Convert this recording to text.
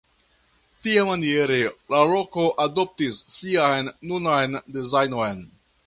Tiamaniere la loko adoptis sian nunan dezajnon.